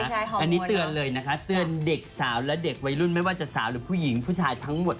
อันนี้เตือนเลยนะคะเตือนเด็กสาวและเด็กวัยรุ่นไม่ว่าจะสาวหรือผู้หญิงผู้ชายทั้งหมด